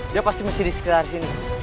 dia pasti masih di sekitar sini